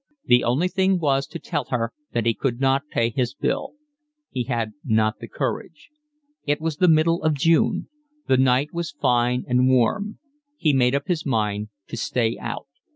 The only thing was to tell her that he could not pay his bill. He had not the courage. It was the middle of June. The night was fine and warm. He made up his mind to stay out.